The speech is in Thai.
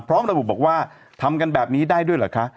พร้อมระบุบอกว่าทำกันแบบนี้ได้ด้วยเหรอคะ